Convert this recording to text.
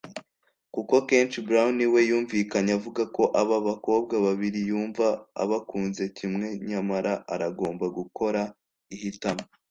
kuko kenshi Brown we yumvikanye avuga ko aba bakobwa babiri yumva abakunze kimwe nyamara aragomba gukora ihitamo